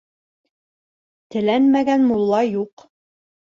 Теләнмәгән мулла юҡ.